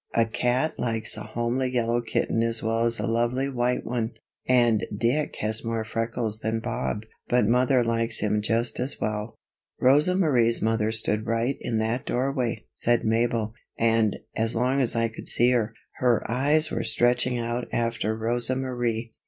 "A cat likes a homely yellow kitten as well as a lovely white one. And Dick has more freckles than Bob, but Mother likes him just as well." "Rosa Marie's mother stood right in that doorway," said Mabel, "and, as long as I could see her, her eyes were stretching out after Rosa Marie."